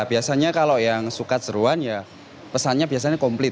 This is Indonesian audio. biasanya kalau yang suka seruan ya pesannya biasanya komplit